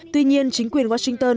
tuy nhiên chính quyền washington